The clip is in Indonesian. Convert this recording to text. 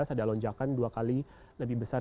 ada lonjakan dua kali lebih besar